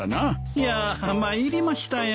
いや参りましたよ。